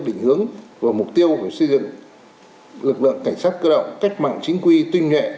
định hướng và mục tiêu về xây dựng lực lượng cảnh sát cơ động cách mạng chính quy tinh nghệ